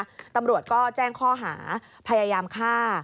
ตำรวจก็แจ้งข้อหาพยายามฆ่า